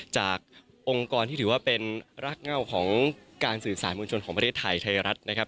จากองค์กรที่ถือว่าเป็นรากเง่าของการสื่อสารมวลชนของประเทศไทยไทยรัฐนะครับ